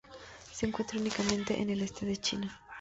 Se encuentra únicamente en el este de China.